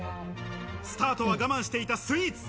スタートは我慢していたスイーツ。